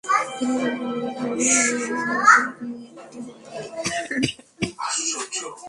তিনি বললেন, এ দিয়ে আমি এসব গিরগিটি বধ করি।